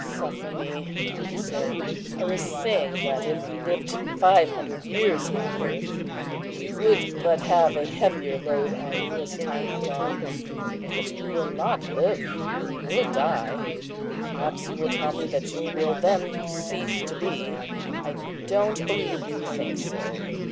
"Suffer me," he said. "I was saying that if you lived five hundred years on earth, you would but have a heavier load on you as time went on. But you will not live, you will die. Perhaps you will tell me that you will then cease to be. I don't believe you think so.